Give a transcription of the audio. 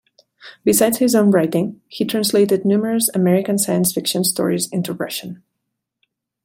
Besides his own writing, he translated numerous American science fiction stories into Russian.